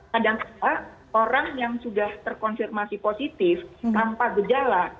kadang kadang orang yang sudah terkonfirmasi positif tanpa gejala